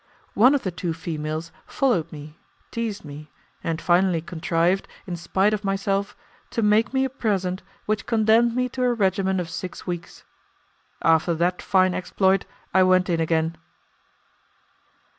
One of the two females followed me, teased me, and finally contrived, in spite of myself, to make me a present which condemned me to a regimen of six weeks. After that fine exploit, I went in again.